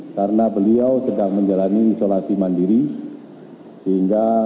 karena beliau sedang menjalani isolasi